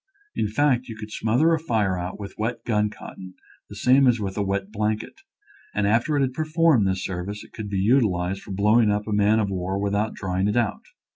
In fact, you could smother a fire out with wet gun cotton the same as with a wet blanket, and after it had performed this serv ice it could be utilized for blowing up a man of war without drying it out.